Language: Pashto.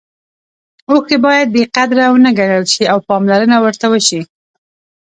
اوښکې باید بې قدره ونه ګڼل شي او پاملرنه ورته وشي.